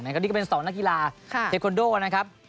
และเดี๋ยวนี่ก็เป็นสองนางกีฬาเทคโคลโด่นะครับ